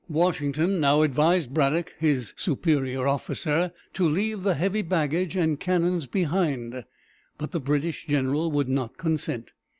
Washington now advised Braddock, his superior officer, to leave the heavy baggage and cannons behind; but the British general would not consent.